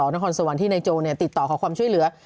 นครสวรรค์ที่นายโจติดต่อขอความช่วยเหลือ